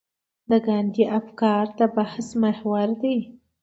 د ګاندي افکار د بحث محور دي.